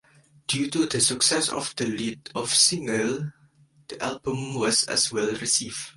Due to the success of the lead-off single, the album was as well received.